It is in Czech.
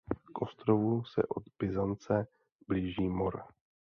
K ostrovu se od Byzance blíží mor.